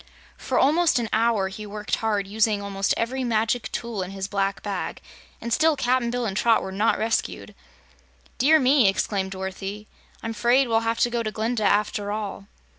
For almost an hour he worked hard, using almost every magic tool in his black bag, and still Cap'n Bill and Trot were not rescued. "Dear me!" exclaimed Dorothy, "I'm 'fraid we'll have to go to Glinda, after all."